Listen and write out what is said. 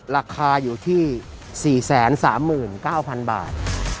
ราคาอยู่ที่๔๓๙๐๐บาท